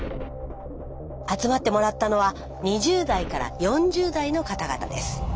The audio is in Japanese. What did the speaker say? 集まってもらったのは２０代４０代の方々です。